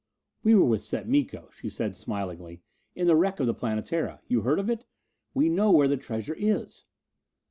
"We were with Set Miko," she said smilingly, "in the wreck of the Planetara. You heard of it? We know where the treasure is."